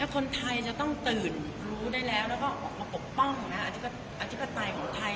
คนไทยจะต้องตื่นรู้แล้วออกมาปกป้องอธิบายของไทย